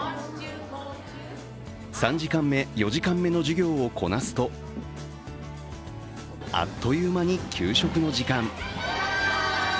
３時間目、４時間目の授業をこなすとあっという間に給食の時間。